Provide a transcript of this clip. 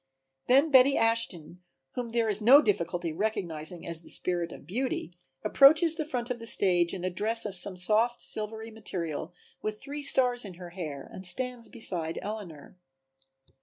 Then Betty Ashton, whom there is no difficulty in recognizing as the spirit of Beauty, approaches the front of the stage in a dress of some soft silvery material with three stars in her hair and stands beside Eleanor.